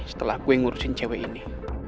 setelah gue ngurusin cewek ini